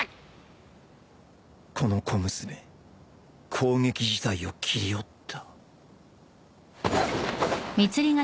この小娘攻撃自体を斬りおった